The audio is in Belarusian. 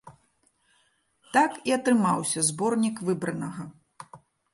Так і атрымаўся зборнік выбранага.